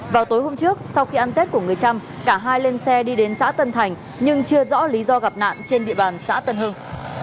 vào tối hôm trước sau khi ăn tết của người trăm cả hai lên xe đi đến xã tân thành nhưng chưa rõ lý do gặp nạn trên địa bàn xã tân hưng